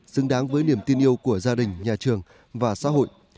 xứng đáng với niềm tin yêu của gia đình nhà trường và xã hội